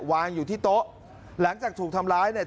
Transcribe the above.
วางอยู่ที่โต๊ะหลังจากถูกทำร้ายเนี่ย